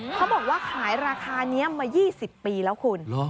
เขาบอกว่าขายราคานี้มา๒๐ปีแล้วคุณ